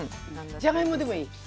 じゃがいもでもいい？